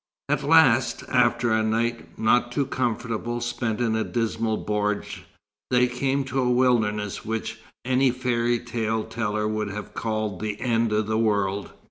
At last, after a night, not too comfortable, spent in a dismal bordj, they came to a wilderness which any fairytale teller would have called the end of the world.